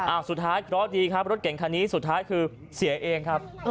สุดท้ายเคราะห์ดีครับรถเก่งคันนี้สุดท้ายคือเสียเองครับ